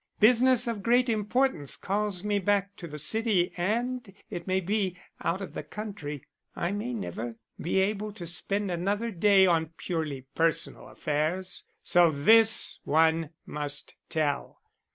Business of great importance calls me back to the city and, it may be, out of the country. I may never be able to spend another day on purely personal affairs, so this one must tell.